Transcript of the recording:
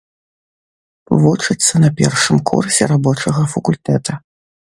Вучыцца на першым курсе рабочага факультэта.